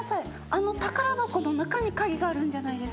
あの宝箱の中に鍵があるんじゃないですか？